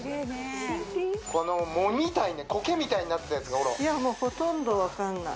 この藻みたいなコケみたいになってたやつがほらほとんどわかんない